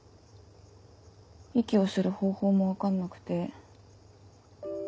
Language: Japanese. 息をする方法も分かんなくて。